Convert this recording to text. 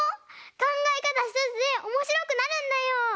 かんがえかたひとつでおもしろくなるんだよ！